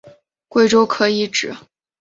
贵州可以指